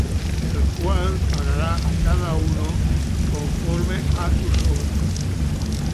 El cual pagará á cada uno conforme á sus obras: